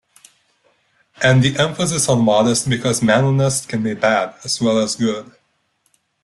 And the emphasis on modest because manliness can be bad as well as good.